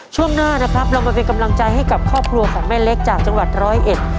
ช่วงหน้านะครับเรามาเป็นกำลังใจให้กับครอบครัวของแม่เล็กจากจังหวัดร้อยเอ็ด